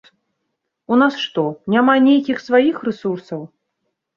У нас што, няма нейкіх сваіх рэсурсаў?